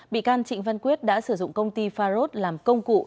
bị can trịnh văn quyết đã sử dụng công ty farod làm công cụ